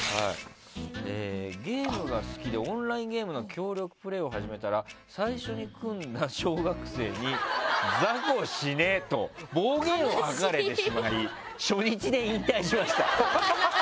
ゲームが好きでオンラインゲームの協力プレーを始めたら最初に組んだ小学生に雑魚死ねと暴言を吐かれてしまい初日で引退しました。